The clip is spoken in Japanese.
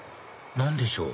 何でしょう？